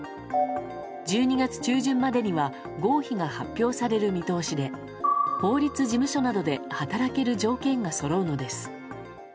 １２月中旬までには合否が発表される見通しで法律事務所などで働ける条件がそろうのです。